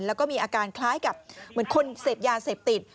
แล้วก็มีอาการคล้ายกับเหมือนคนเสพยาเสพติด